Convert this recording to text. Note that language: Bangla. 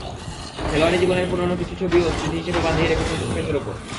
খেলোয়াড়ি জীবনের পুরোনো কিছু ছবিও স্মৃতি হিসেবে বাঁধিয়ে রেখেছেন শোকেসের ওপর।